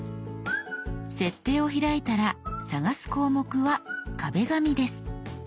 「設定」を開いたら探す項目は「壁紙」です。